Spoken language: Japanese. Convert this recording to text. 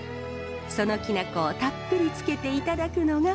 そのきな粉をたっぷりつけていただくのが深野流。